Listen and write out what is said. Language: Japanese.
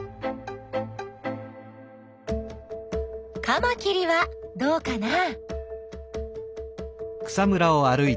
カマキリはどうかな？